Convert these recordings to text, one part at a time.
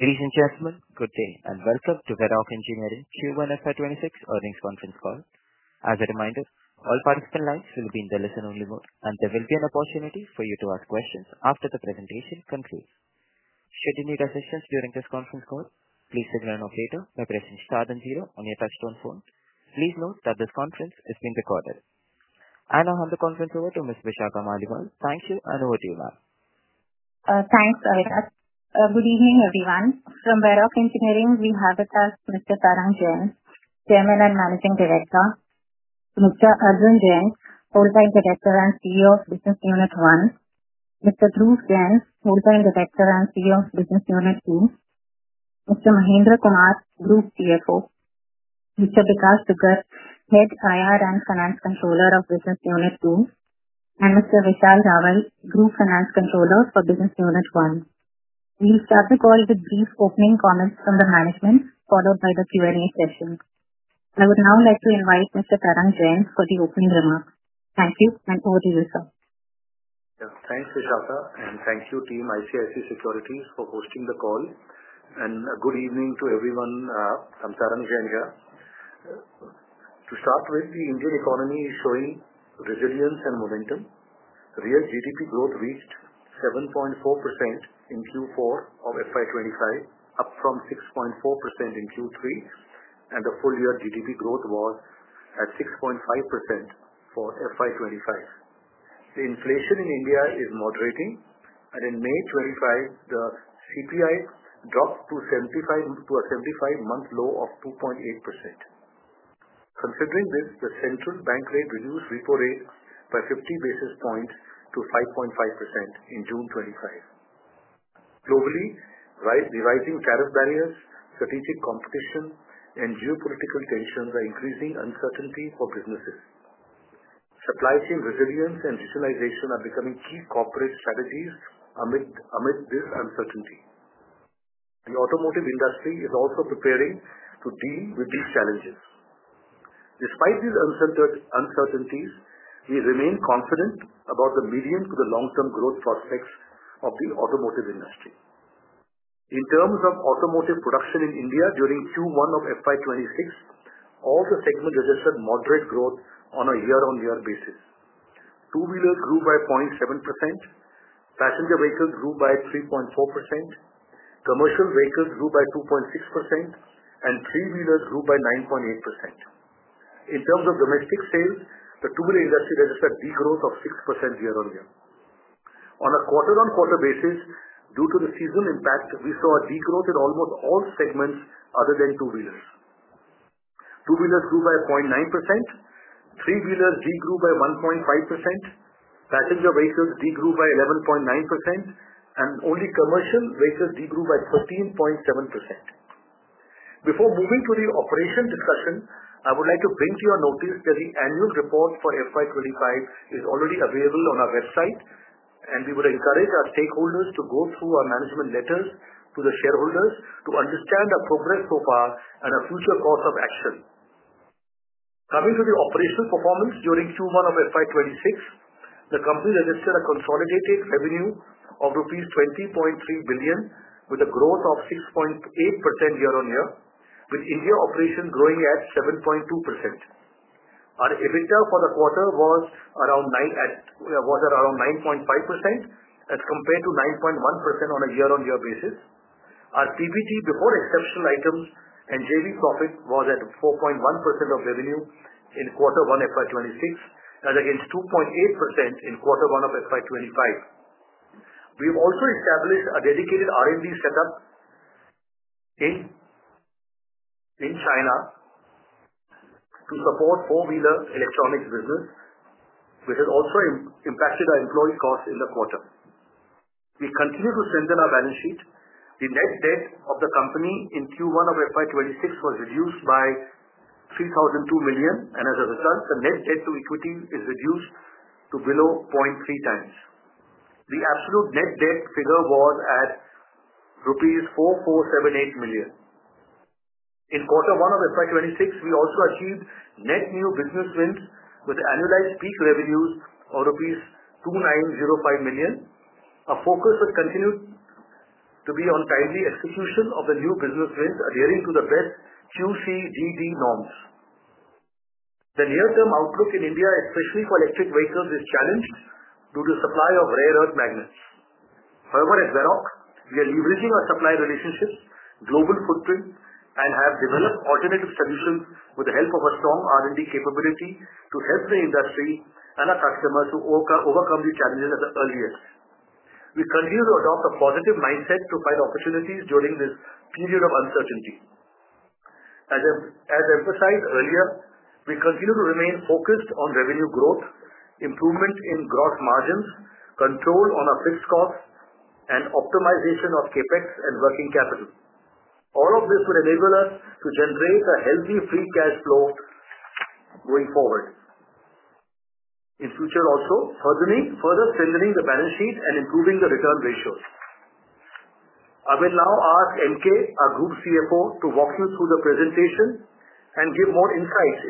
Ladies and gentlemen, good day and welcome to Varroc Engineering Q1 FY 2026 Earnings Conference Call. As a reminder, all participant lines will be in the listen-only mode, and there will be an opportunity for you to ask questions after the presentation concludes. Should you need assistance during this conference call, please signal an operator by pressing star then zero on your touchtone phone. Please note that this conference is being recorded. I now hand the conference over to Ms. Vishakha Maliwal. Thank you, and over to you ma'am. Thanks, Avinash. Good evening everyone. From Varroc Engineering, we have with us Mr. Tarang Jain, Chairman and Managing Director, Mr. Arjun Jain, Whole-Time Director and CEO of Business Unit I, Mr. Dhruv Jain, Whole-Time Director and CEO of Business Unit II, Mr. Mahendra Kumar, Group CFO, Mr. Bikash Dugar, Head IR and Finance Controller of Business Unit II, and Mr. Vishal Raval, Group Finance Controller for Business Unit I. We will start the call with brief opening comments from the management, followed by the Q&A session. I would now like to invite Mr. Tarang Jain for the opening remarks. Thank you and over to you, sir. Thanks, Vishakha, and thank you team ICICI Securities for hosting the call. Good evening to everyone from Tarang Jain here. To start with, the Indian economy is showing resilience and momentum. Real GDP growth reached 7.4% in Q4 of FY 2025, up from 6.4% in Q3, and the full-year GDP growth was at 6.5% for FY 2025. The inflation in India is moderating, and in May 2025, the CPI dropped to a 75-month low of 2.8%. Considering this, the Central Bank reduced repo rates by 50 basis points to 5.5% in June 2025. Globally, the rising tariff barriers, strategic competition, and geopolitical tensions are increasing uncertainty for businesses. Supply chain resilience and digitalization are becoming key corporate strategies amid this uncertainty. The automotive industry is also preparing to deal with these challenges. Despite these uncertainties, we remain confident about the medium to the long-term growth prospects of the automotive industry. In terms of automotive production in India during Q1 of FY 2026, all the segments registered moderate growth on a year-on-year basis. Two-wheelers grew by 0.7%, passenger vehicles grew by 3.4%, commercial vehicles grew by 2.6%, and three-wheelers grew by 9.8%. In terms of domestic sales, the two-wheeler industry registered degrowth of 6% year-on-year. On a quarter-on-quarter basis, due to the seasonal impact, we saw a degrowth in almost all segments other than two-wheelers. Two-wheelers grew by 0.9%, three-wheelers degrew by 1.5%, passenger vehicles degrew by 11.9%, and only commercial vehicles degrew by 13.7%. Before moving to the operations discussion, I would like to bring to your notice that the annual report for FY 2025 is already available on our website, and we would encourage our stakeholders to go through our management letters to the shareholders to understand our progress so far and our future course of action. Coming to the operational performance during Q1 of FY 2026, the company registered a consolidated revenue of rupees 20.3 billion, with a growth of 6.8% year-on-year, with India operations growing at 7.2%. Our EBITDA for the quarter was at around 9.5% as compared to 9.1% on a year-on-year basis. Our PBT before exceptional items and JV profit was at 4.1% of revenue in quarter one FY 2026, as against 2.8% in quarter one of FY 2025. We've also established a dedicated R&D setup in China to support four-wheeler electronics business, which has also impacted our employee costs in the quarter. We continue to strengthen our balance sheet. The net debt of the company in Q1 of FY 2026 was reduced by 3,002 million, and as a result, the net debt-to-equity is reduced to below 0.3x. The absolute net debt figure was at rupees 4,478 million. In quarter one of FY 2026, we also achieved net new business wins with annualized peak revenues of rupees 2,905 million. Our focus will continue to be on timely execution of the new business wins, adhering to the best QCDD norms. The near-term outlook in India, especially for electric vehicles, is challenged due to supply of rare earth magnets. However, at Varroc, we are leveraging our supplier relationships, global footprint, and have developed alternative solutions with the help of a strong R&D capability to help the industry and our customers to overcome the challenges at the earliest. We continue to adopt a positive mindset to find opportunities during this period of uncertainty. As emphasized earlier, we continue to remain focused on revenue growth, improvement in gross margins, control on our fixed costs, and optimization of CapEx and working capital. All of this would enable us to generate a healthy free cash flow going forward. In future also, further strengthening the balance sheet and improving the return ratios. I will now ask MK, our Group CFO, to walk you through the presentation and give more insights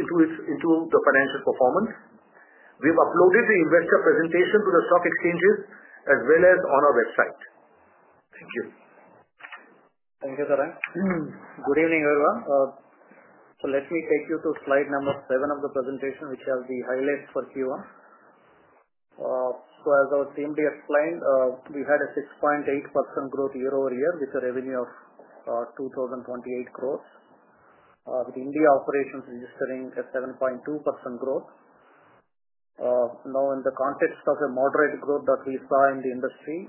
into the financial performance. We've uploaded the investor presentation to the stock exchanges as well as on our website. Thank you. Thank you, Tarang. Good evening, everyone. Let me take you to slide number 7 of the presentation, which has the highlights for Q1. As our CMD explained, we had a 6.8% growth year-over-year with a revenue of 2,028 crores, with India operations registering a 7.2% growth. In the context of a moderate growth that we saw in the industry,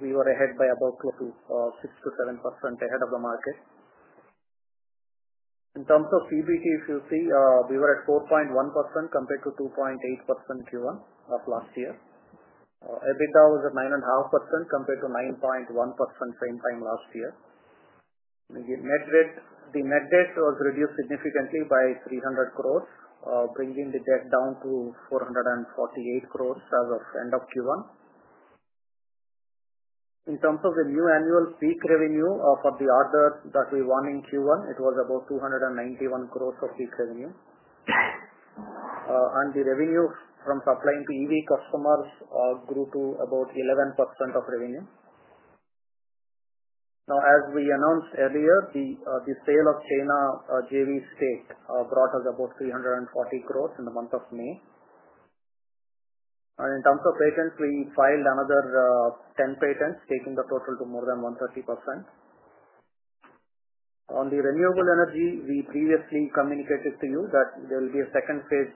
we were ahead by about close to 6%-7% ahead of the market. In terms of PBT, if you see, we were at 4.1% compared to 2.8% in Q1 of last year. EBITDA was at 9.5% compared to 9.1% same time last year. The net debt was reduced significantly by 300 crores, bringing the debt down to 448 crores as of end of Q1. In terms of the new annual peak revenue for the order that we won in Q1, it was about 291 crores of peak revenue. The revenue from supplying to EV customers grew to about 11% of revenue. As we announced earlier, the sale of China JV space brought us about 340 crores in the month of May. In terms of patents, we filed another 10 patents, taking the total to more than 130%. On the renewable energy, we previously communicated to you that there will be a second stage,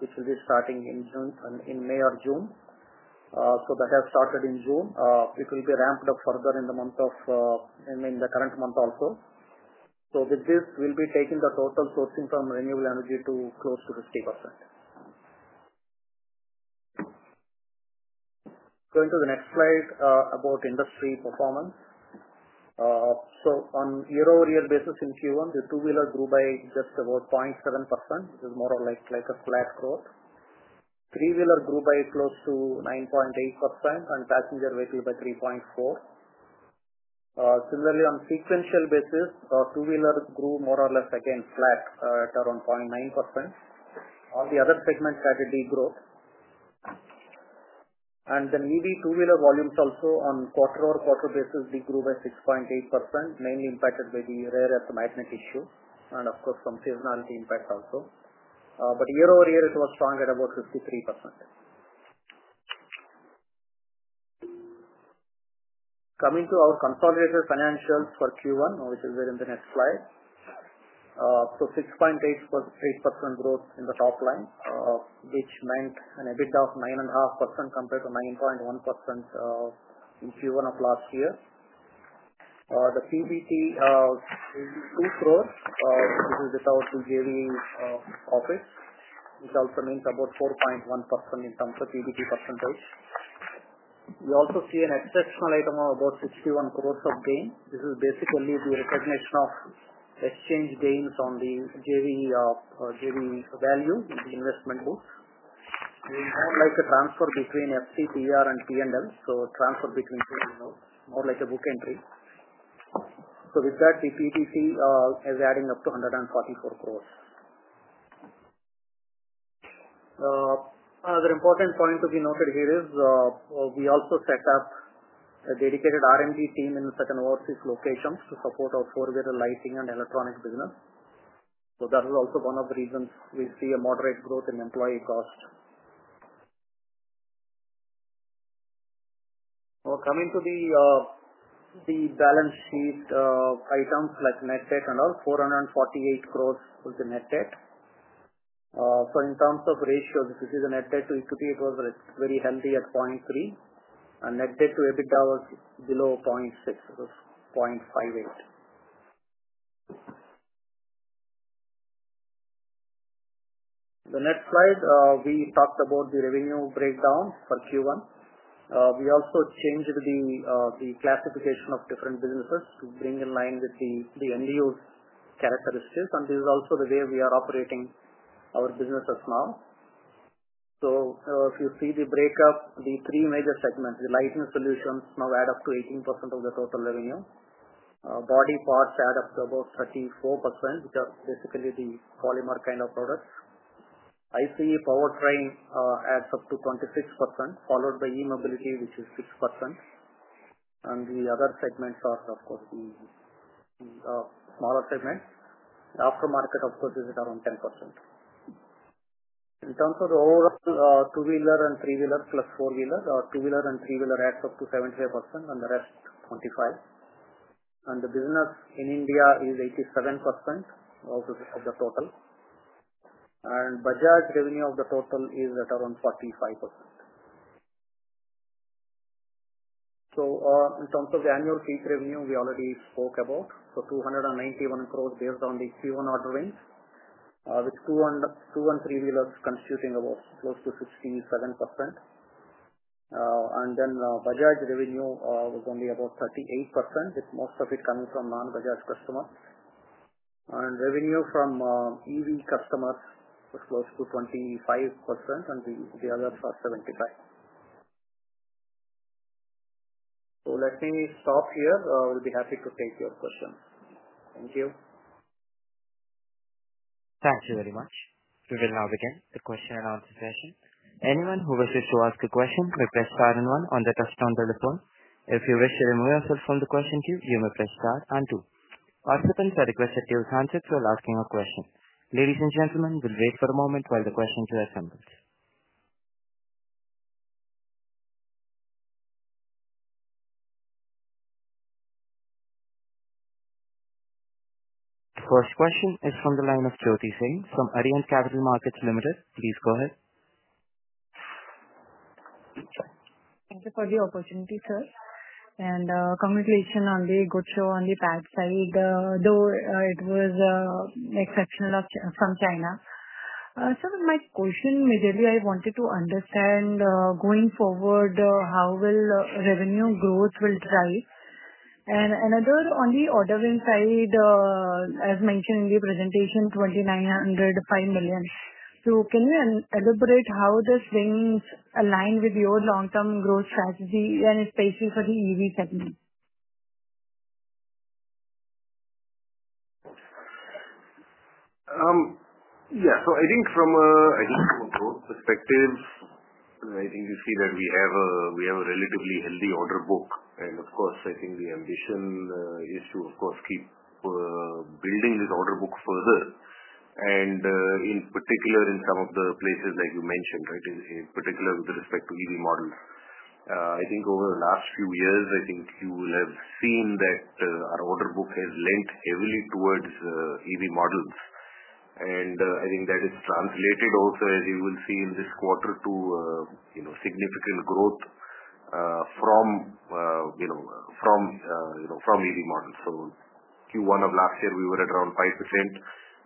which will be starting in May or June. That has started in June. It will be ramped up further in the current month also. With this, we'll be taking the total sourcing from renewable energy to close to 50%. Going to the next slide about industry performance. On a year-over-year basis in Q1, the two-wheeler grew by just about 0.7%, which is more or less like a flat growth. Three-wheeler grew by close to 9.8% and passenger vehicle by 3.4%. Similarly, on a sequential basis, two-wheeler grew more or less, again, flat at around 0.9%. All the other segments had a degrowth. The EV two-wheeler volumes also on a quarter-over-quarter basis degrew by 6.8%, mainly impacted by the rare earth magnet issue and, of course, some seasonality impacts also. Year-over-year, it was strong at about 53%. Coming to our consolidated financials for Q1, which is there in the next slide. 6.8% growth in the top line meant an EBITDA of 9.5% compared to 9.1% in Q1 of last year. The PBT is 2 crores. This is without the JV profit, which also meant about 4.1% in terms of PBT percentiles. We also see an exceptional item of about 61 crores of gain. This is basically the recognition of exchange gains on the JV value in the investment books. It's more like a transfer between FCTR and P&L, so a transfer between two or more, more like a book entry. With that, the PTC is adding up to 144 crores. Another important point to be noted here is we also set up a dedicated R&D team in certain overseas locations to support our four-wheeler licensing and electronics business. That is also one of the reasons we see a moderate growth in employee costs. Now, coming to the balance sheet items like net debt and all, 448 crores was the net debt. In terms of ratios, if you see the net debt to equity, it was very healthy at 0.3, and net debt to EBITDA was below 0.6, it was 0.58. The next slide, we talked about the revenue breakdowns for Q1. We also changed the classification of different businesses to bring in line with the end-use characteristics. This is also the way we are operating our businesses now. If you see the breakup, the three major segments, the licensed solutions now add up to 18% of the total revenue. Body parts add up to about 34%, typically the polymer kind of products. ICE powertrain adds up to 26%, followed by e-mobility, which is 6%. The other segments are, of course, the smaller segments. The aftermarket, of course, is at around 10%. In terms of the overall two-wheeler and three-wheeler plus four-wheeler, two-wheeler and three-wheeler adds up to 75% and the rest 25%. The business in India is 87% of the total. Bajaj revenue of the total is at around 45%. In terms of the annual peak revenue, we already spoke about, so 291 crores based on the Q1 order wins with two and three-wheelers constituting about close to 67%. Bajaj revenue was only about 38%, with most of it coming from non-Bajaj customers. Revenue from EV customers was close to 25%, and the others are 75%. Let me stop here. I will be happy to take your questions. Thank you. Thank you very much. We will now begin the question-and-answer session. Anyone who wishes to ask a question may press star and one on the touchtone telephone. If you wish to remove yourself from the question queue, you may press star and two. Participants are requested to use handsets while asking a question. Ladies and gentlemen, we'll wait for a moment while the questions are assembled. The first question is from the line of Jyoti Singh from Arihant Capital Markets. Please go ahead. Thank you for the opportunity, sir. Congratulations on the good show on the PAT side, though it was exceptional from China. Sir, my question majorly I wanted to understand going forward how will revenue growth will drive? Another on the order win side, as mentioned in the presentation, 2,905 million. Can you elaborate how this wings align with your long-term growth strategy when especially for the EV category? Yeah. I think from a growth perspective, you see that we have a relatively healthy order book. Of course, the ambition is to keep building this order book further, in particular in some of the places that you mentioned, in particular with respect to EV models. Over the last few years, you will have seen that our order book has leant heavily towards EV models. That has translated also, as you will see in this quarter, to significant growth from EV models. Q1 of last year, we were at around 5%.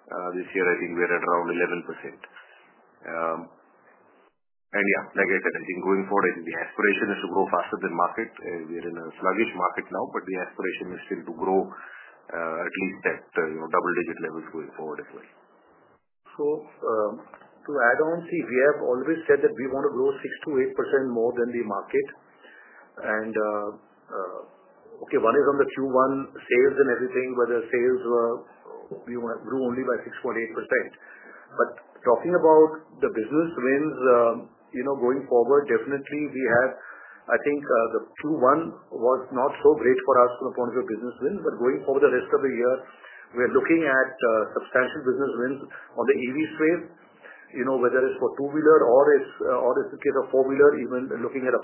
This year, we're at around 11%. Like I said, going forward, the aspiration is to grow faster than markets. We're in a sluggish market now, but the aspiration is still to grow I think at your double-digit levels going forward as well. To add on, we have always said that we want to grow 6%-8% more than the market. One is on the Q1 sales and everything, where the sales grew only by 6.8%. Talking about the business wins, going forward, definitely, we had, I think the Q1 was not so great for us from the point of view of business wins. Going over the rest of the year, we're looking at substantial business wins on the EV space, whether it's for two-wheeler or if it is a four-wheeler, even looking at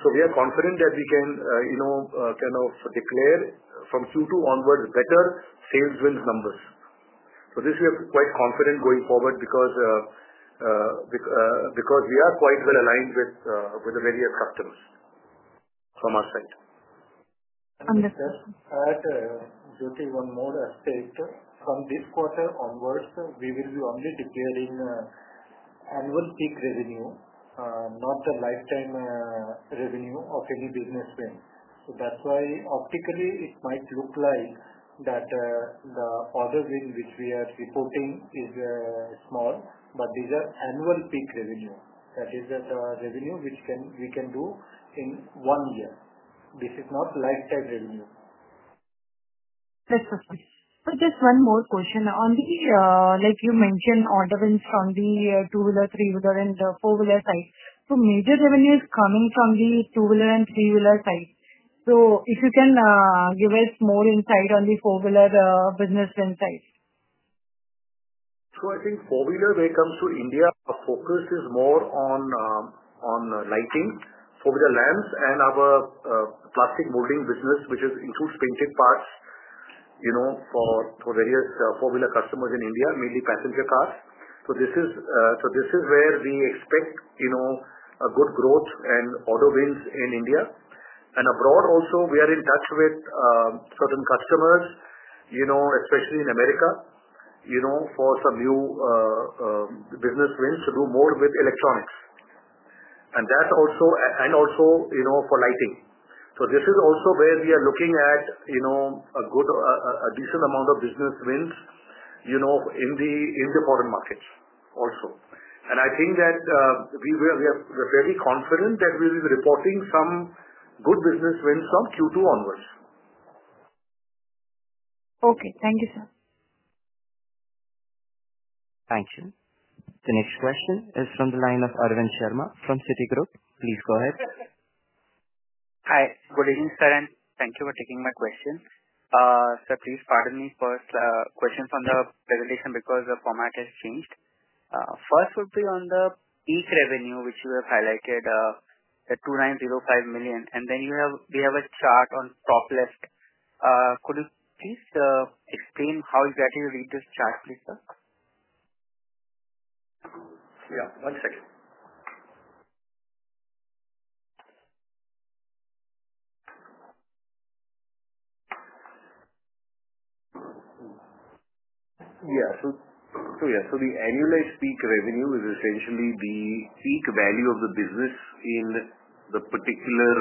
abroad. We are confident that we can declare from Q2 onwards better sales wins numbers. This way, we're quite confident going forward because we are quite well aligned with the various customers from our side. Understood. Jyoti, one more update. From this quarter onwards, we will be only declaring annual peak revenue, not the lifetime revenue of any business win. That's why optically, it might look like that the order wing which we are supporting is small, but these are annual peak revenues. These are the revenue which we can do in one year. This is not lifetime revenue. Just one more question. Like you mentioned, order wins on the two-wheeler, three-wheeler, and the four-wheeler side, major revenue is coming from the two-wheeler and three-wheeler side. If you can give us more insight on the four-wheeler business insights. I think four-wheeler, when it comes to India, our focus is more on lighting, four-wheeler lamps, and our plastic molding business, which includes painted parts for various four-wheeler customers in India, mainly passenger cars. This is where we expect a good growth and order wins in India. Abroad also, we are in touch with certain customers, especially in America, for some new business wins to do more with electronics and also for lighting. This is also where we are looking at a decent amount of business wins in the foreign markets also. I think that we are fairly confident that we will be reporting some good business wins from Q2 onwards. Okay. Thank you sir. Thank you. The next question is from the line of Arvind Sharma from Citigroup. Please go ahead. Hi. Good evening sir and thank you for taking my question. Sir please pardon me for questions on the presentation because the format has changed. First would be on the peak revenue, which you have highlighted at 2,905 million. We have a chart on the top left. Could you please explain how exactly you read this chart, please sir? Yeah. One second. Yeah. The annualized peak revenue is essentially the peak value of the business in the particular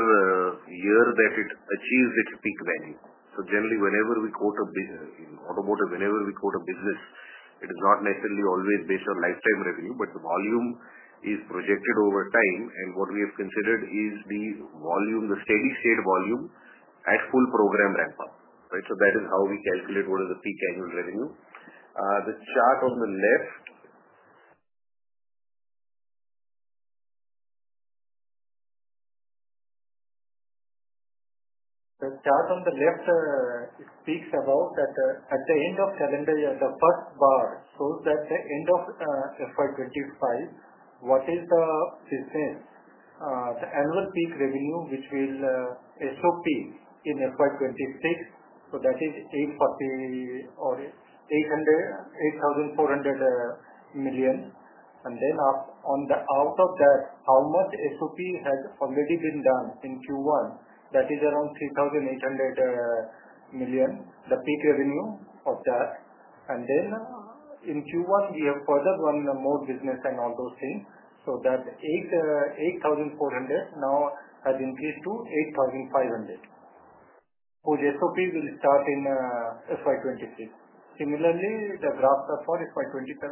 year that it achieves its peak value. Generally, whenever we quote a business in automotive, whenever we quote a business, it is not necessarily always based on lifetime revenue, but the volume is projected over time. What we have considered is the volume, the steady-state volume at full program ramp-up, right? That is how we calculate what is the peak annual revenue. The chart on the left... The chart on the left speaks about that at the end of calendar year, the first bar shows that at the end of FY 2025, what is the business, the annual peak revenue, which will SOP in FY 2026 that is 8,400 million. Out of that, how much SOP has already been done in Q1, that is around 3,800 million, the peak revenue of that. In Q1, we have further won more business and all those things. That 8,400 million now has increased to 8,500 million, whose SOP will start in FY 2026. Similarly, the graphs are for FY 2027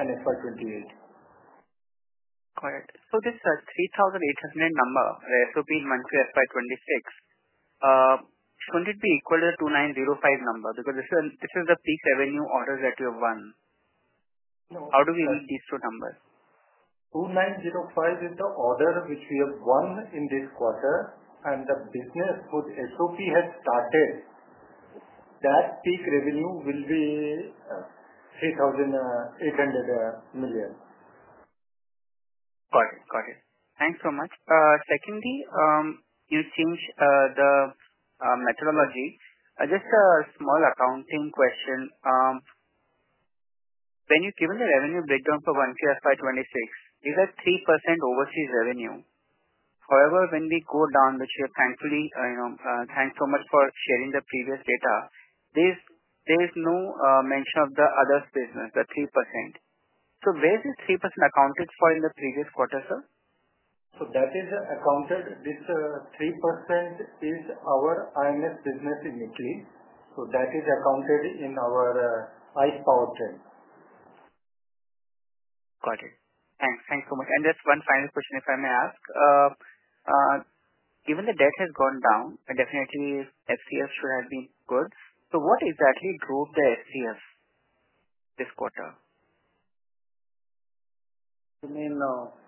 and FY 2028. All right. This 3,800 million number, the SOP in 1Q FY 2026, shouldn't it be equal to the 2,905 million number because this is the peak revenue order that we have won? No. How do we link these two numbers? 2,905 million is the order which we have won in this quarter. The business, whose SOP has started, that peak revenue will be 3,800 million. Got it. Got it. Thanks so much. Secondly in the methodology just a small accounting question. When you're given the revenue breakdown for 1Q FY 2026, you said 3% overseas revenue. However, when we go down, which we are thankfully you know thanks so much for sharing the previous data, there is no mention of the other business, the 3%. Where is the 3% accounted for in the previous quarter sir? That is accounted. This 3% is our IMS business in Italy. That is accounted in our ICE powertrain. Got it. Thanks. Thanks so much. Just one final question if I may ask. Given the debt has gone down definitely FCF should have been good. What exactly drove the FCF this quarter? You mean? Yeah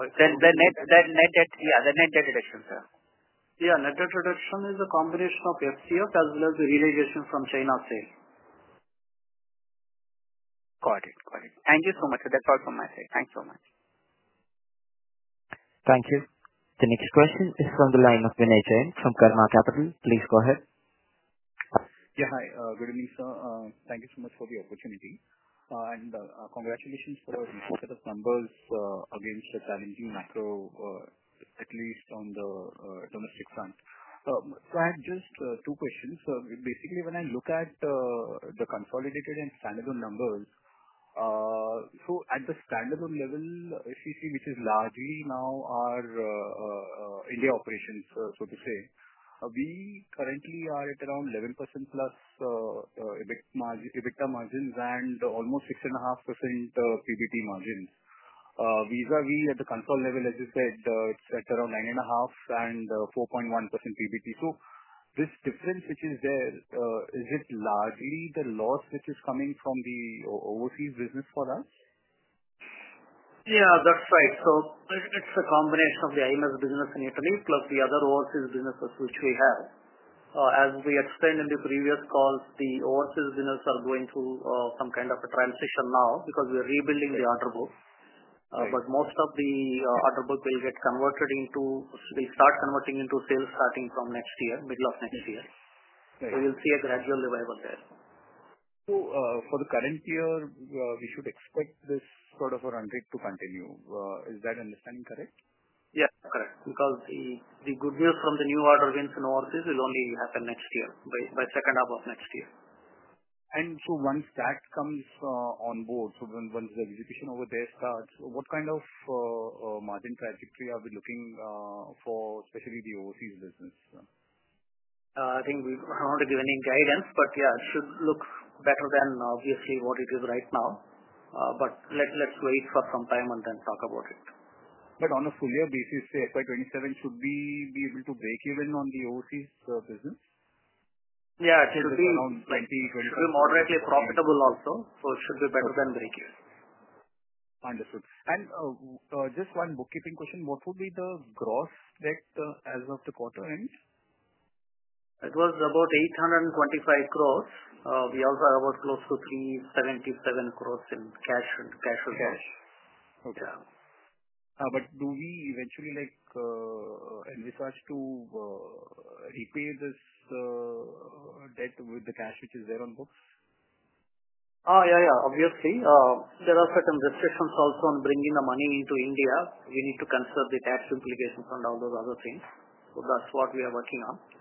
the net debt reduction sir. Yeah. Net debt reduction is a combination of FCF as well as the realization from China sale. Got it. Got it. Thank you so much. That's all from my side. Thanks so much. Thank you. The next question is from the line of Vinay Jain from Karma Capital. Please go ahead. Yeah. Hi. Good evening sir. Thank you so much for the opportunity. Congratulations for the numbers against the challenging macro, at least on the domestic front. I have just two questions. Basically when I look at the consolidated and standalone numbers at the standalone level, if you see which is largely now our India operations, so to say, we currently are at around 11%+ EBITDA margins and almost 6.5% PBT margins. Vis-a-vis at the console level, as you said, it's at around 9.5% and 4.1% PBT. This difference which is there is it largely the loss which is coming from the overseas business for us? Yeah, that's right. It's a combination of the IMS business in Italy plus the other overseas businesses which we have. As we explained in the previous calls, the overseas businesses are going through some kind of a transition now because we are rebuilding the order book. Most of the order book will get converted into, they start converting into sales starting from next year, middle of next year. We'll see a gradual revival there. For the current year we should expect this sort of a run rate to continue. Is that understanding correct? Yes correct. Because the good news from the new order wins in overseas will only happen next year, by second half of next year. Once that comes on board, once the execution over there starts, what kind of margin trajectory are we looking for especially the overseas business? I think we don't want to give any guidance, but yeah, it should look better than obviously what it is right now. Let's wait for some time and then talk about it. On a full-year basis, FY 2027 should we be able to breakeven on the overseas business? Yeah, it should be moderately profitable also. It should be better than breakeven. Understood. Just one bookkeeping question. What would be the gross debt as of the quarter end? It was about 825 crores. We also have about close to 377 crores in cash and cash reserves. Okay. Do we eventually like envisage to repay this debt with the cash which is there on books? Yeah yeah. Obviously there are certain restrictions also on bringing the money into India. You need to consider the tax implications and all those other things. That's what we are working on.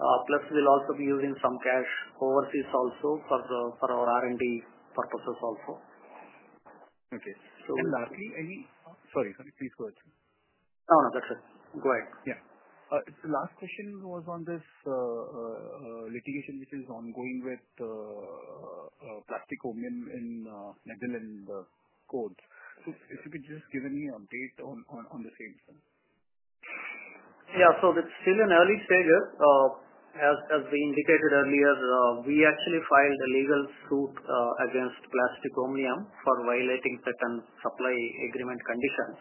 Plus we'll also be using some cash overseas also for our R&D purposes also. Okay. Lastly, please go ahead. No that's it. Go ahead. Yeah. The last question was on this litigation which is ongoing with Plastic Omnium in Netherlands court. Could you just give any update on the same? Yeah. It's still in early stages. As we indicated earlier we actually filed a legal suit against Plastic Omnium for violating certain supply agreement conditions.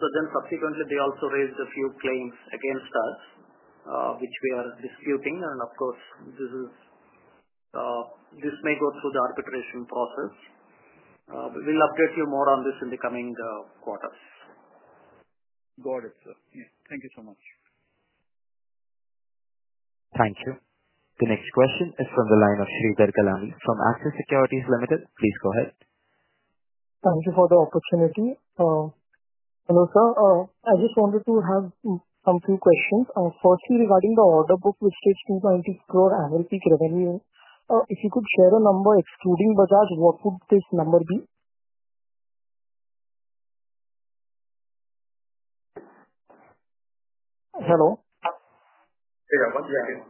Subsequently they also raised a few claims against us, which we are disputing. Of course this may go through the arbitration process. We'll update you more on this in the coming quarters. Got it sir. Thank you so much. Thank you. The next question is from the line of Shridhar Kallani from Axis Securities Limited. Please go ahead. Thank you for the opportunity. Hello sir. I just wanted to have a few questions. Firstly regarding the order book which takes 290 crores annual peak revenue, if you could share a number excluding Bajaj, what would this number be? Hello? Yeah one second.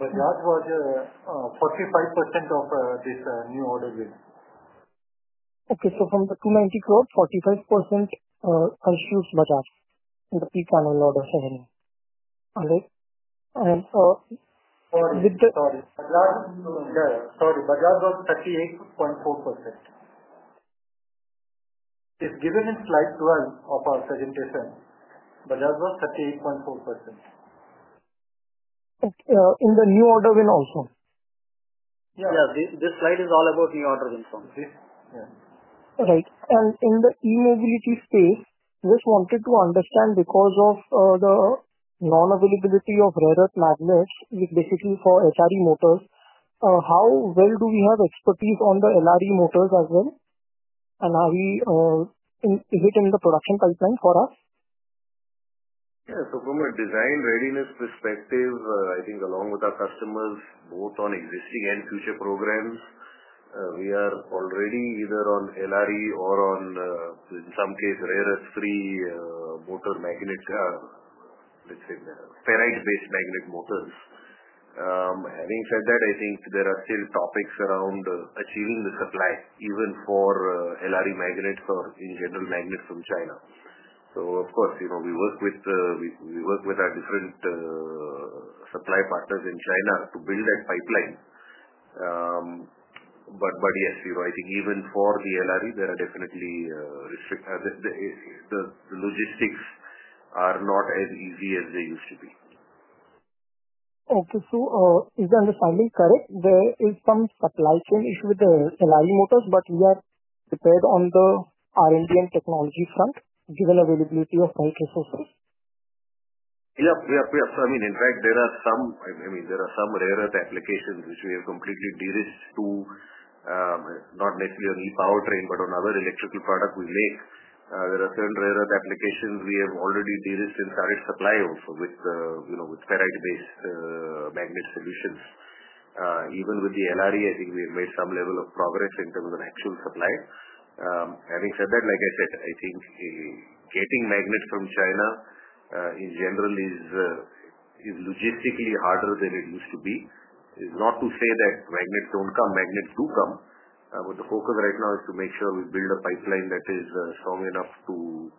Bajaj was 45% of this new order win. Okay. From the INR 290 crores 45% consumes Bajaj in the peak annual order revenue. Sorry. Bajaj was 38.4%. It's given in slide 12 of our presentation. Bajaj was 38.4%. In the new order win also? Yeah yeah. This slide is all about new order wins onlly. Right. In the e-mobility space just wanted to understand because of the non-availability of rare earth magnets specifically for HRE motors, how well do we have expertise on the LRE motors as well? Is it in the production pipeline for us? Yeah. From a design readiness perspective, I think along with our customers, both on existing and future programs, we are already either on LRE or, in some cases, rare earth-free motor magnet, let's say ferrite-based magnet motors. Having said that I think there are still topics around achieving the supply even for LRE magnets or in general magnets from China. Of course we work with our different supply partners in China to build that pipeline, but yes I think even for the LRE, there are definitely restrictions. The logistics are not as easy as they used to be. Okay. If my understanding correct, there is some supply chain issue with the LRE motors but we are prepared on the R&D and technology front given availability of current resources. Yeah yeah yeah. In fact there are some rare earth applications which we have completely derisked to not necessarily on e-powertrain, but on other electrical products we make. There are certain rare earth applications we have already derisked and started supply also with you know with ferrite-based magnet solutions. Even with the LRE I think we've made some level of progress in terms of actual supply. Having said that like I said I think getting magnets from China in general is logistically harder than it used to be. It's not to say that magnets don't come. Magnets do come but the focus right now is to make sure we build a pipeline that is strong enough to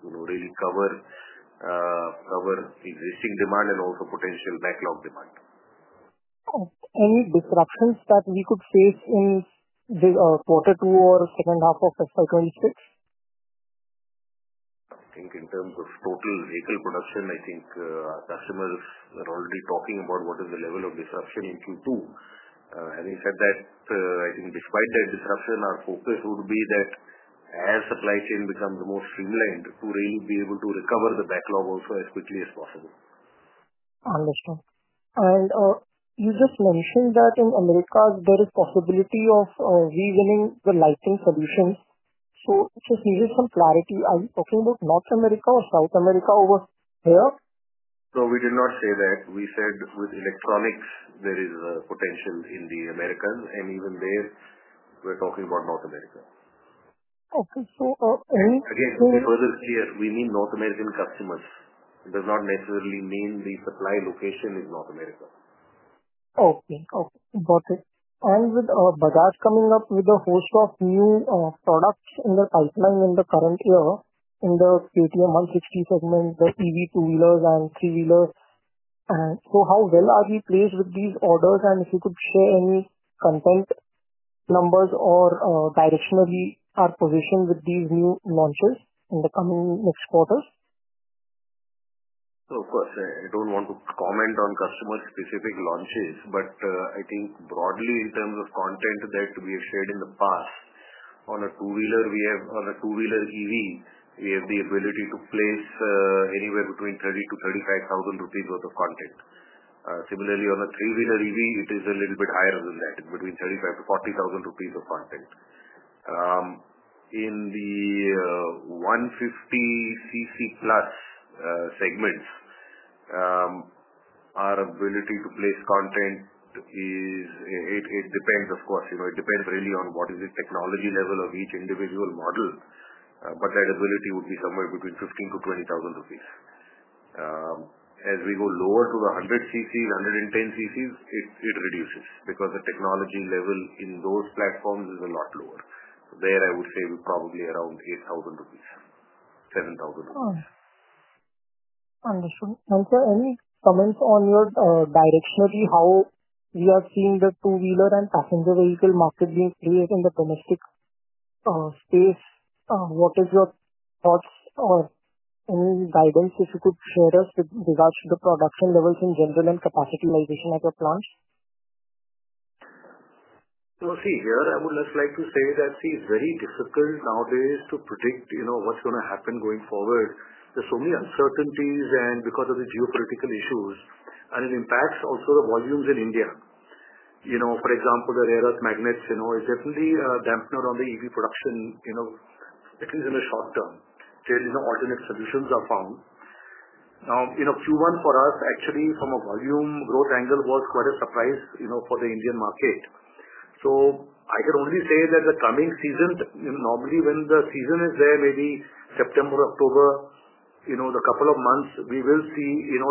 really cover our existing demand and also potential backlog demand. Any disruptions that we could face in this quarter two or second half of FY 2026? I think in terms of total vehicle production our customers are already talking about what is the level of disruption in Q2. Having said that despite that disruption our focus would be that as supply chain becomes more streamlined to really be able to recover the backlog also as quickly as possible. Understood. You just mentioned that in Americas, there is a possibility of rewinning the lighting solutions. I just needed some clarity. Are we talking about North America or South America over here? We did not say that. We said with electronics, there is a potential in the Americas, and even there we're talking about North America. Okay. Again to be further clear we mean North American customers. It does not necessarily mean the supply location in North America. Okay. Got it. With Bajaj coming up with a host of new products in the pipeline in the current year in the KTM 160 segment, the EV two-wheelers and three-wheelers, how well are we placed with these orders? If you could share any content numbers or direction of our position with these new launches in the coming next quarters? Of course. I don't want to comment on customer-specific launches, but I think broadly in terms of content that we have shared in the past, on a two-wheeler, we have on a two-wheeler EV, we have the ability to place anywhere between 30,000-35,000 rupees worth of content. Similarly, on a three-wheeler EV, it is a little bit higher than that. It's between INR 35,000-INR 40,000 of content. In the 150cc+ segments, our ability to place content is it depends, of course. You know it depends really on what is the technology level of each individual model but that ability would be somewhere between 15,000-20,000 rupees. As we go lower to the 100ccs, 110ccs it reduces because the technology level in those platforms is a lot lower. There I would say we're probably around 8,000 rupees, 7,000 rupees. Understood. Sir any comments on your directionally how we are seeing the two-wheeler and passenger vehicle market being created in the domestic space? What is your thoughts or any guidance if you could share us with regards to the production levels in general and capacity migration at your plants? Here I would just like to say that it's very difficult nowadays to predict what's going to happen going forward. There are so many uncertainties and because of the geopolitical issues, it impacts the volumes in India. For example the rare earth magnets are definitely a dampener on the EV production at least in the short term till alternate solutions are found. Q1 for us actually from a volume growth angle was quite a surprise for the Indian market. I can only say that the coming season normally when the season is there maybe September, October the couple of months we will see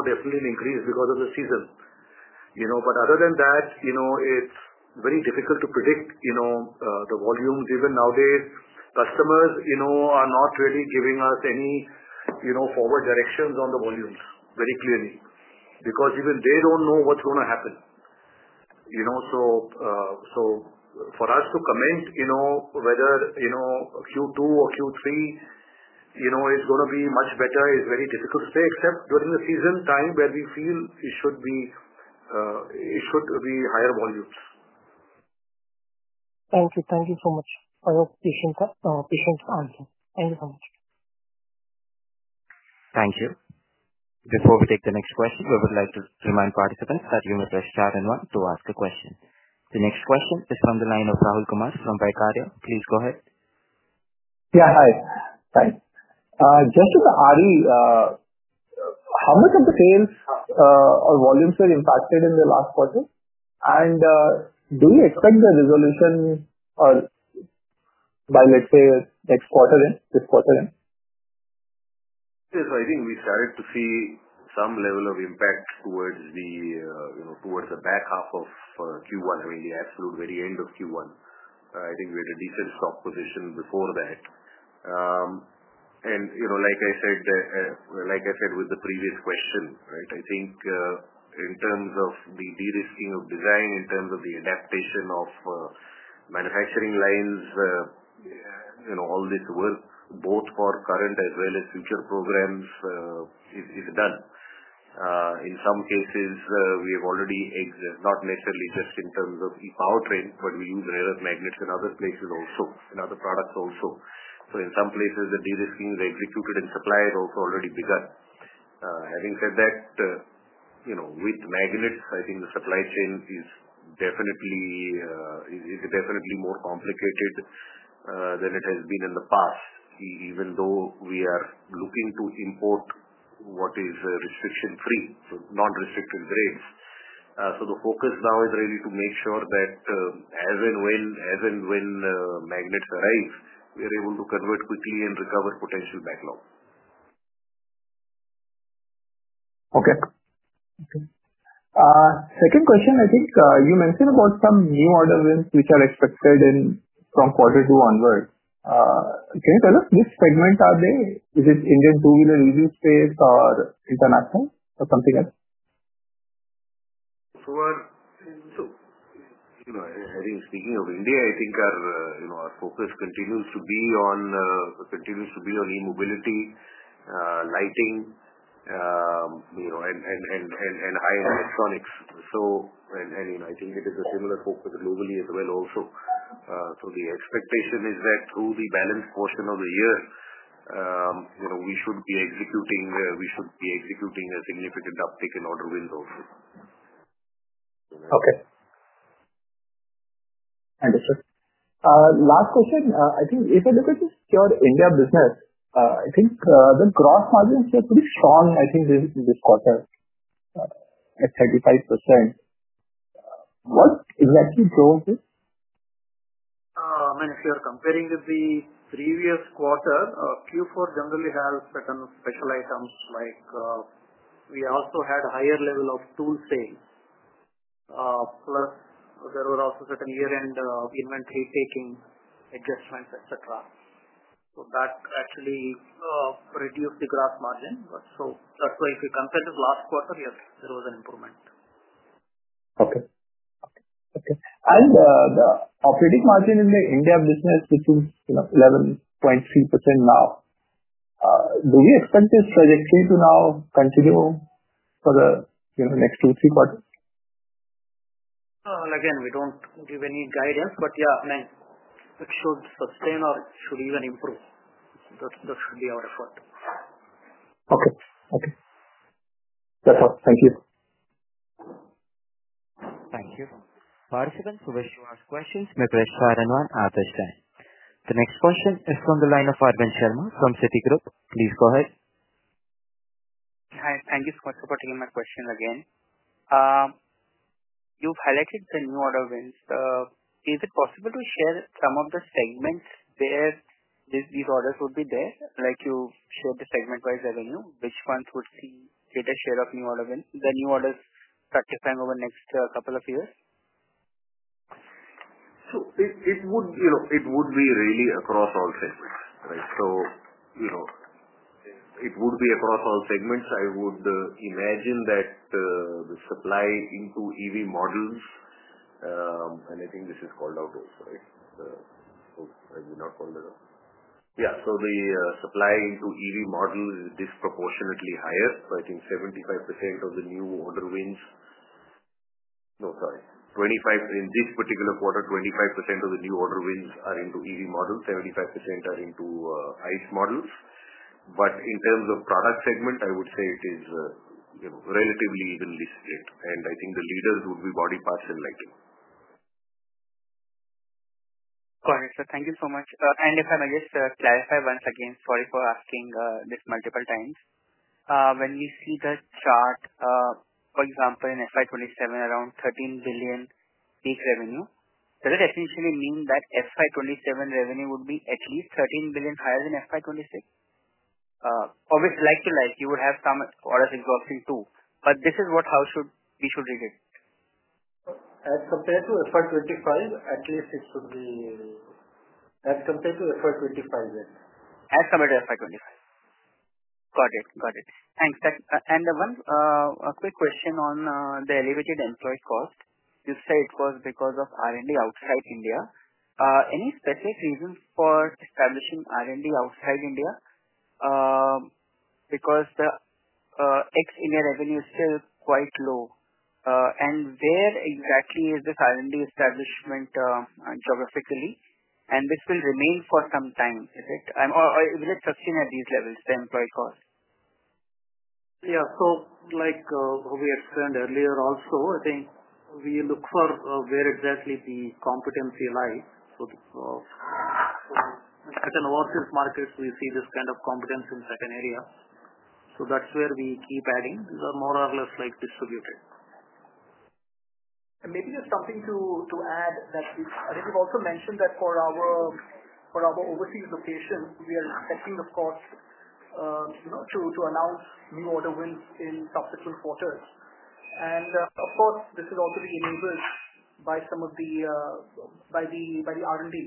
definitely an increase because of the season. Other than that it's very difficult to predict the volumes. Even nowadays customers are not really giving us any forward directions on the volumes very clearly because even they don't know what's going to happen. For us to comment whether Q2 or Q3 is going to be much better it's very difficult to say except during the season time where we feel it should be higher volumes. Thank you so much for your patience answering. Thank you so much. Thank you. Before we take the next question we would like to remind participants that you may press star and one to ask a question. The next question is from the line of Rahul Kumar from Vaikarya. Please go ahead. Hi. Just to the RE how much of the sales or volumes were impacted in the last quarter? Do you expect the resolution by let's say next quarter end this quarter end? Yes. I think we started to see some level of impact towards the back half of Q1 I mean the absolute very end of Q1. I think we had a decent stock position before that. Like I said with the previous question I think in terms of the derisking of design in terms of the adaptation of manufacturing lines all this work both for current as well as future programs is done. In some cases we have already not necessarily just in terms of e-powertrain but we use rare earth magnets in other places also in other products also. In some places the derisking is executed and supply has also already begun. Having said that with magnets I think the supply chain is definitely more complicated than it has been in the past even though we are looking to import what is restriction-free so non-restrictive grades. The focus now is really to make sure that as and when magnets arrive we are able to convert quickly and recover potential backlog. Okay. Second question I think you mentioned about some new order wins which are expected in from quarter two onwards. Can you tell us which segment are they? Is it Indian two-wheeler EV space or international or something else? Sure. Having speaking of India, I think our focus continues to be on e-mobility, lighting and high-end electronics. I think it is a similar focus globally as well also. The expectation is that through the balanced portion of the year we should be executing a significant uptake in order wins also. Okay. Understood. Last question. I think if I look at your India business, I think the gross margins were pretty strong. I think this quarter at 35%. What exactly drove it? I mean if you're comparing with the previous quarter Q4 generally has certain special items like we also had a higher level of tool sales. Plus there were also certain year-end inventory taking adjustments etc. That actually reduced the gross margin. That's why if you compare the last quarter yes there was an improvement. Okay. The operating margin in the India business which is 11.3% now do we expect this trajectory to now continue for the next two three quarters? Again we don't give any guidance but yeah I mean it should sustain or should even improve. That should be our effort. That's all. Thank you. Thank you. Participants who wish to ask questions may press star and one at this time. The next question is from the line of Arvind Sharma from Citigroup. Please go ahead. Hi. Thank you so much for taking my question again. You've highlighted the new order wins. Is it possible to share some of the segments where these orders would be there? Like you showed the segment-wise revenue which ones would see a share of new order wins the new orders participating over the next couple of years? It would be really across all segments right? It would be across all segments. I would imagine that the supply into EV models and I think this is called out also right? I did not call that out. The supply into EV models is disproportionately higher. I think 75% of the new order wins, no sorry, in this particular quarter 25% of the new order wins are into EV models. 75% are into ICE models. In terms of product segment I would say it is relatively evenly split. I think the leaders would be body parts and lighting. Got it. Thank you so much. If I may just clarify once again sorry for asking this multiple times. When you see the chart for example in FY 2027 around 13 billion peak revenue. Does it actually mean that FY 2027 revenue would be at least 13 billion higher than FY 2026? Obviously like-to-like you would have some orders exhausting too. How should we read it? As compared to FY 2025, at least it should be as compared to FY 2025 then. As compared to FY 2025. Got it. Got it. Thanks. One quick question on the elevated employee cost. You said it was because of R&D outside India. Any specific reasons for establishing R&D outside India? The ex-India revenue is still quite low. Where exactly is this R&D establishment, geographically? Will this remain for some time or is it sustained at these levels the employee cost? Yeah. Like we explained earlier also I think we look for where exactly the competency lies. At an overseas market we see this kind of competence in certain areas. That's where we keep adding. These are more or less like distributed. Maybe just something to add is that this is also mentioned that for our overseas locations we are expecting the cost to announce new order wins in subsequent quarters. Of course this is also being influenced by some of the R&D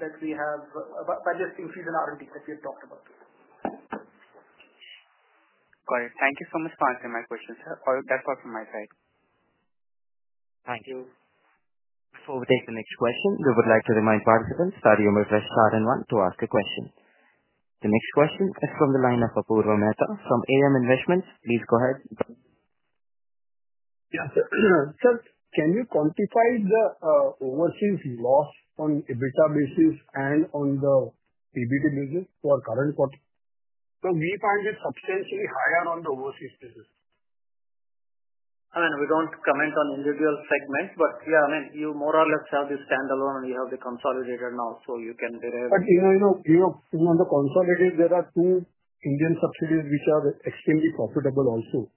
that we have, by the increase in R&D that we've talked about. Got it. Thank you so much for answering my questions. That's all from my side. Thank you. Before we take the next question we would like to remind participants that you may press star and one to ask a question. The next question is from the line of Apurva Mehta from AM Investments. Please go ahead. Sir, can you quantify the overseas loss on EBITDA basis and on the PBT basis for current quarter? We find it substantially higher on the overseas basis. We don't comment on individual segments but yeah I mean you more or less have the standalone and you have the consolidated now so you can derive. On the consolidated there are two Indian subsidiaries which are extremely profitable also.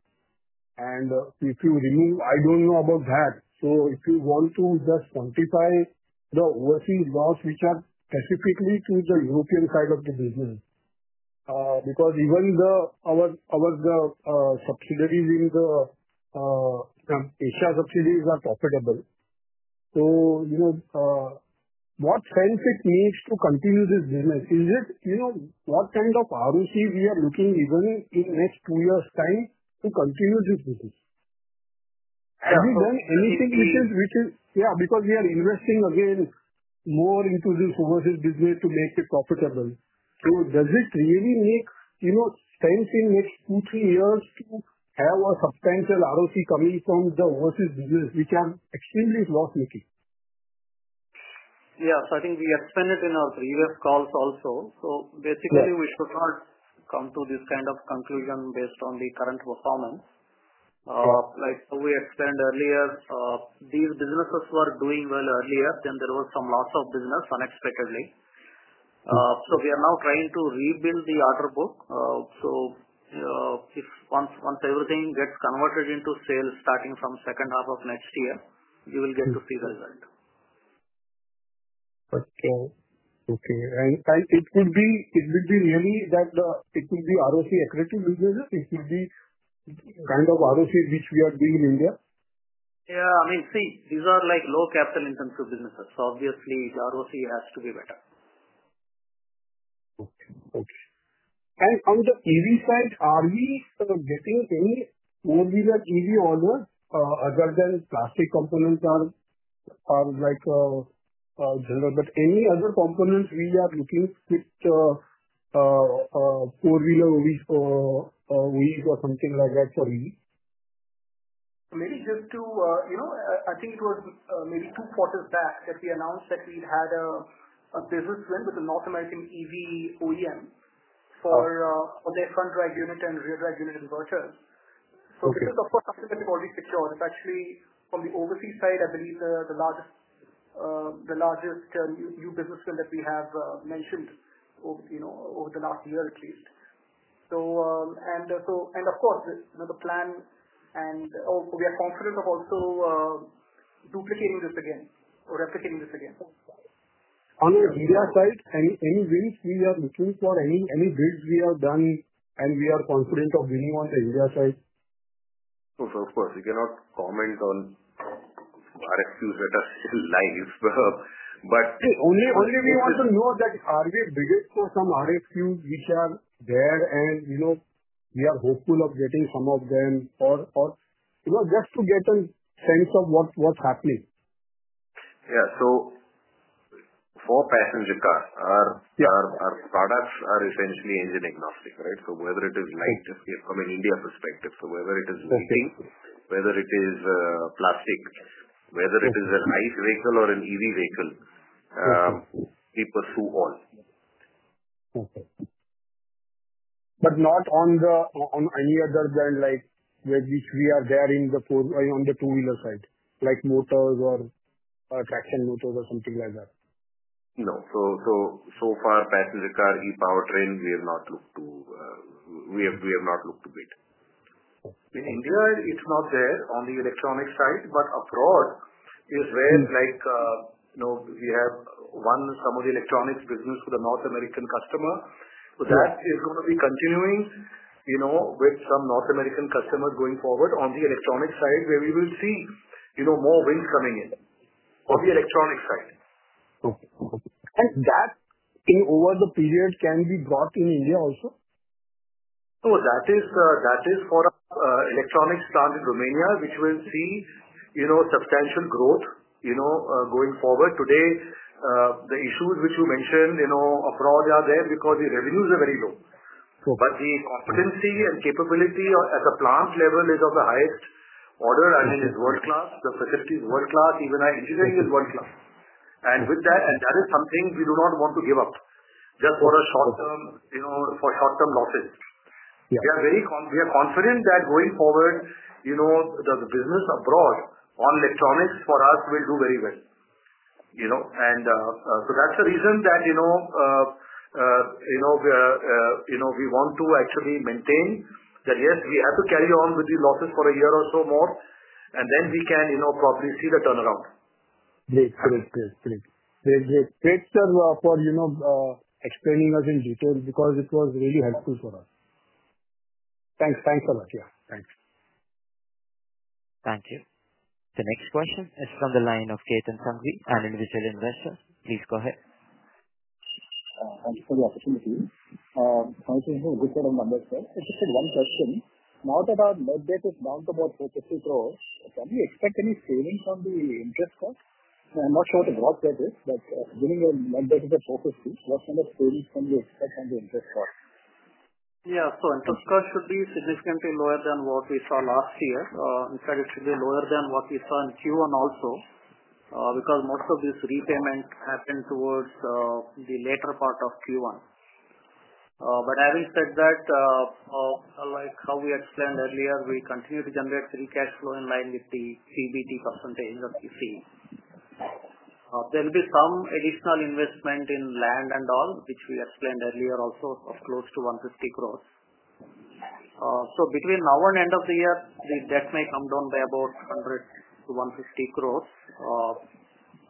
If you remove I don't know about that. If you want to just quantify the overseas loss which are specifically to the European side of the business because even our subsidiaries from Asia are profitable. What sense does it make to continue this business? Is this, what kind of ROC are we looking at even in the next two years' time to continue this business? I don't want anything which is yeah because we are investing again more into this overseas business to make it profitable. Does it really make sense in the next two three years to have a substantial ROC coming from the overseas business which are extremely loss-making? Yeah. I think we explained it in our previous calls also. Basically we should not come to this kind of conclusion based on the current performance. Like we explained earlier these businesses were doing well earlier then there was some loss of business unexpectedly. We are now trying to rebuild the order book. If once everything gets converted into sales starting from the second half of next year you will get to see the result. Okay. It could be really that it could be ROC accretive businesses. It could be the kind of ROCs which we are doing in India? Yeah. I mean see these are like low-capital intensive businesses. Obviously the ROC has to be better. Okay. Okay. From the EV side are we getting any four-wheeler EV orders other than plastic components or like general but any other components we are looking at four-wheeler OEs or something like that for EV? Maybe just to you know I think it was maybe two quarters back that we announced that we had a business win with the North American EV OEM for their front drive unit and rear drive unit inverters. This is something that we've already secured. It's actually from the overseas side I believe the largest new business win that we have mentioned over the last year at least. Of course, this you know the plan and we are confident of also duplicating this again or replicating this again. On the India side any wins we are missing or any wins we have done and we are confident of winning on the India side? Of course. You cannot comment on RFQs that are live. Only we want to know that are we bidding for some RFQs which are there and we are hopeful of getting some of them or just to get a sense of what's happening. Yeah. For passenger car our products are essentially engine-agnostic, right? Whether it is light just to give from an India perspective whether it is a thing whether it is a plastic whether it is an ICE vehicle or an EV vehicle we pursue all. Okay. Not on any other brand like where we are there in the four, on the two-wheeler side like motors or traction motors or something like that? No. So far passenger car e-power train we have not looked to bid. In India it's not there on the electronics side but abroad is where it's like you know we have won some of the electronics business for the North American customer. That is going to be continuing you know with some North American customers going forward on the electronics side where we will see you know more wins coming in on the electronics side. Okay. Okay. And that thing over the period can be brought in India also? No that is for the electronics plant in Romania, which will see you know substantial growth you know going forward. Today the issues which you mentioned abroad are there because the revenues are very low. The competency and capability at a plant level is of the highest order and it is world-class. The facility is world-class. Even our engineering is world-class. That is something we do not want to give up just for short-term losses. We are very confident that going forward, you know, the business abroad on electronics for us will do very well. That's the reason that you know we want to actually maintain that yes we have to carry on with the losses for a year or so more and then we can you know properly see the turnaround. Great. Great. Great. Great. Great. Thanks for you know explaining us in detail because it was really helpful for us. Thanks so much. Yeah thanks. Thank you. The next question is from the line of Ketan Sanghvi, an individual investor. Please go ahead. Thanks for the opportunity. I think we're good for the numbers sir. Just one question. Now that our net debt is down to about 450 crores, can we expect any savings on the interest cost? I'm not sure what the growth rate is, but given the net debt is at INR 450 crores, what kind of savings can we expect on the interest cost? Yeah. Interest cost should be significantly lower than what we saw last year. In fact it should be lower than what we saw in Q1 also because most of this repayment happened towards the later part of Q1. Having said that like how we explained earlier we continue to generate free cash flow in line with the CBT percentage that we've seen. There will be some additional investment in land and all, which we explained earlier also, of close to 150 crores. Between now and end of the year, the debt may come down by about 100 crores-150 crores.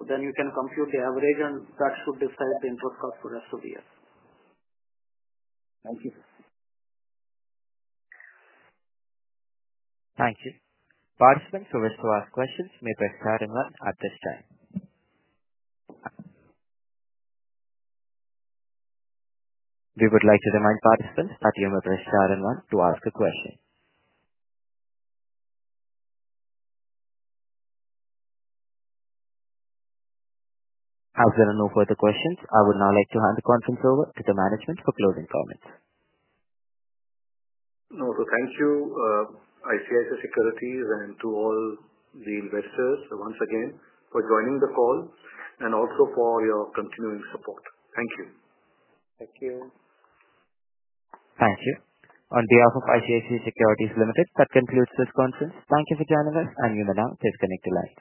We can compute the average, and that should describe the interest cost for the rest of the year. Thank you. Participants who wish to ask questions may press star and one at this time. We would like to remind participants that you may press star and one to ask a question. As there are no further questions, I would now like to hand the conference over to the management for closing comments. No, thank you, ICICI Securities Limited, and to all the investors once again for joining the call and also for your continuing support. Thank you. Thank you. Thank you. On behalf of ICICI Securities Limited, that concludes this conference. Thank you for joining us, and you may now disconnect the line.